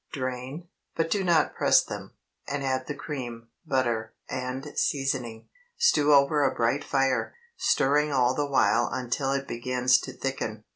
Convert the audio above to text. Drain, but do not press them, and add the cream, butter, and seasoning. Stew over a bright fire, stirring all the while until it begins to thicken.